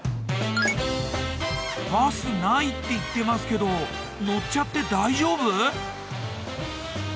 バスないって言ってますけど乗っちゃって大丈夫？